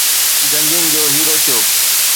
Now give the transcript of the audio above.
جنگين جو هيرو ٿيو